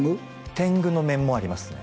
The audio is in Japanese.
天狗の面もありますね